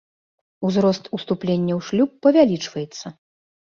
Узрост уступлення ў шлюб павялічваецца.